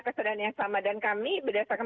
kesadaran yang sama dan kami berdasarkan